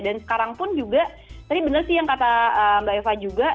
dan sekarang pun juga tadi bener sih yang kata mbak eva juga